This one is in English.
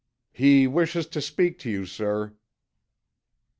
"He wishes to speak to you, sir."